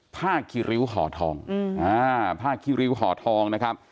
ผ้าคิริวหอทองอืมอ่าผ้าคิริวหอทองนะครับ